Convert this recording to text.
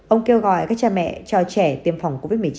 ông kêu gọi các cha mẹ cho trẻ tiêm phòng covid một mươi chín